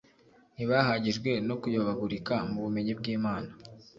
Ntibahagijwe no kuyobagurika mu bumenyi bw’Imana,